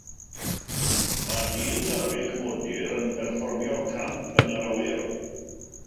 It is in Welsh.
Mae dyn ar feic modur yn perfformio camp yn yr awyr.